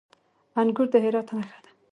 انګور د هرات نښه ده.